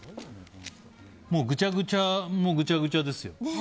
もうぐちゃぐちゃもぐちゃぐちゃですよ。